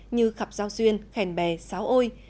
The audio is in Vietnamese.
như khắp giao duyên khèn bè sáo ôi